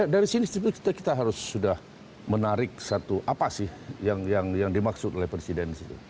dari sini kita harus sudah menarik satu apa sih yang dimaksud oleh presiden